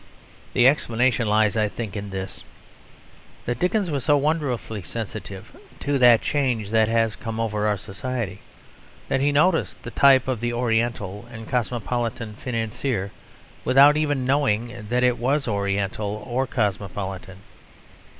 The explanation lies, I think, in this, that Dickens was so wonderfully sensitive to that change that has come over our society, that he noticed the type of the oriental and cosmopolitan financier without even knowing that it was oriental or cosmopolitan.